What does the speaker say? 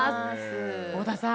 太田さん